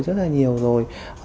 tương đối rất là nhiều rồi